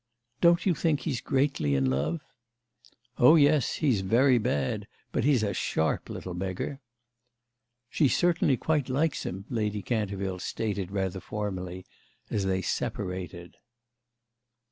"Don't you think he's greatly in love?" "Oh yes, he's very bad—but he's a sharp little beggar." "She certainly quite likes him," Lady Canterville stated rather formally as they separated.